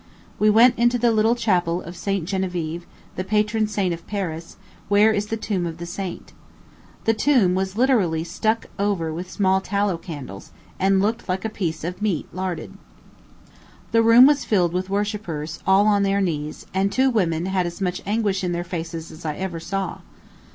We went into the little Chapel of St. Genevieve, the patron saint of Paris, where is the tomb of the saint. The tomb was literally stuck over with small tallow candles, and looked like a piece of meat larded. The room was filled with worshippers, all on their knees; and two women had as much anguish in their faces as I ever saw.